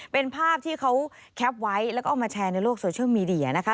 เป็นภาพที่เขาแคปไว้แล้วก็เอามาแชร์ในโลกโซเชียลมีเดียนะคะ